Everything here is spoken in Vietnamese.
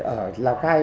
ở lào cai